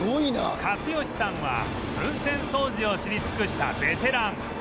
勝吉さんは噴泉掃除を知り尽くしたベテラン